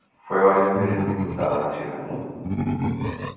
Fue varias veces diputado nacional.